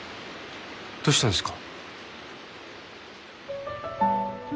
どうしたんですか？